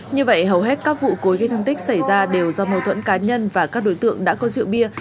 như vậy hầu hết các vụ cối gây thương tích xảy ra đều do mâu thuẫn cá nhân và các đối tượng đã có rượu bia